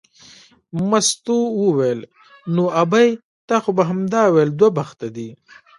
مستو وویل نو ابۍ تا خو به همدا ویل دوه بخته دی.